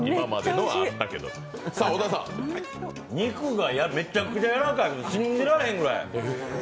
肉がめちゃくちゃやわらかい信じられへんぐらい。